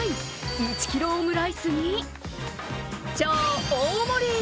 １ｋｇオムライスに超大盛り！